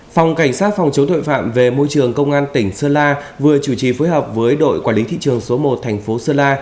phòng cảnh sát phòng chống tội phạm về môi trường công an tỉnh sơn la vừa chủ trì phối hợp với đội quản lý thị trường số một thành phố sơn la